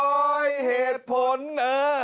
คุณผู้ชมถามมาในไลฟ์ว่าเขาขอฟังเหตุผลที่ไม่ให้จัดอีกที